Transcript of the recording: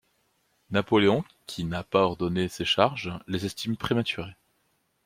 Napoléon, qui n'a pas ordonné ces charges, les estime prématurées.